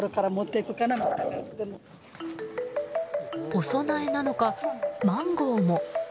お供えなのか、マンゴーも。